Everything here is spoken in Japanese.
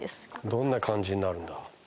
どんな感じになるんだ？